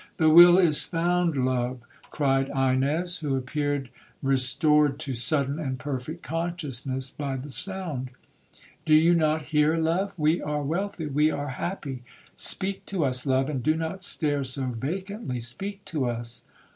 'The will is found, love,' cried Ines, who appeared restored to sudden and perfect consciousness by the sound; 'Do you not hear, love? We are wealthy,—we are happy! Speak to us, love, and do not stare so vacantly,—speak to us!'